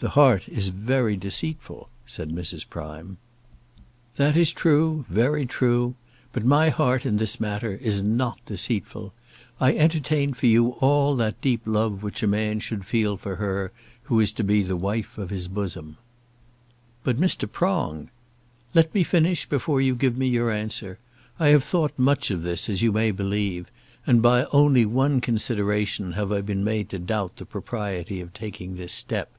"The heart is very deceitful," said Mrs. Prime. "That is true, very true; but my heart, in this matter, is not deceitful. I entertain for you all that deep love which a man should feel for her who is to be the wife of his bosom." "But Mr. Prong " "Let me finish before you give me your answer. I have thought much of this, as you may believe; and by only one consideration have I been made to doubt the propriety of taking this step.